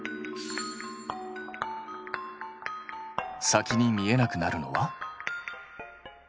先に見えなくなるのは？